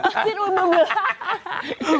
ซิดอุ๊ยบลื้อบลื้อ